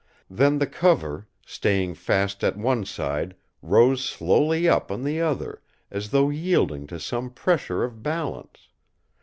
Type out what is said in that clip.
Then the cover, staying fast at one side rose slowly up on the other, as though yielding to some pressure of balance.